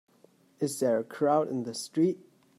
Is there a crowd in the street?